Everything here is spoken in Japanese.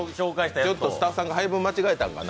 ちょっとスタッフさんが配分間違えたんかな。